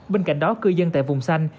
bên cạnh đó cư dân tại vùng xanh